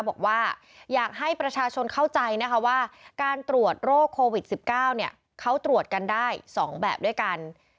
บอกว่าอยากให้ประชาชนเข้าใจนะคะว่าการตรวจโรคโควิด๑๙เขาตรวจกันได้๒แบบด้วยกัน